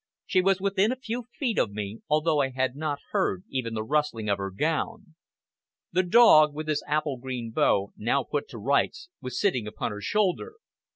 She was within a few feet of me, although I had not heard even the rustling of her gown. The dog, with his apple green bow now put to rights, was sitting upon her shoulder.